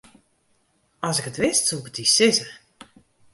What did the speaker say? As ik it wist, soe ik it dy sizze.